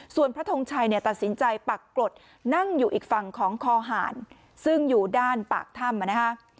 ส่วนพระทงชัยเนี่ยตัดสินใจปักกรดนั่งอยู่อีกฝั่งของคอหารซึ่งอยู่ด้านปากถ้ำนะฮะ